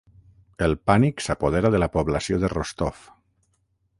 El pànic s'apodera de la població de Rostov